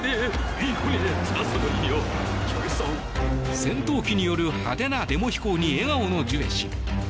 戦闘機による派手なデモ飛行に笑顔のジュエ氏。